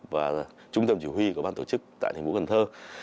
và trung tâm chỉ huy của ban tổ chức tại thành phố cần thơ